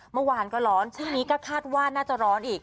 เมื่อวานก็ร้อนช่วงนี้ก็คาดว่าน่าจะร้อนอีก